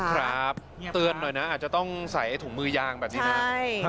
ครับเตือนหน่อยนะอาจจะต้องใส่ถุงมือยางแบบนี้นะครับ